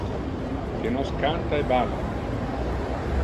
Que nos canta e balla.